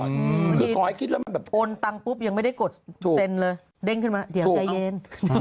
บางทีโอนตังปุ๊บยังไม่ได้กดเซ็นเลยเด้งขึ้นมาเดี๋ยวใจเย็น